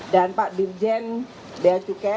dan pak dirjen beacuke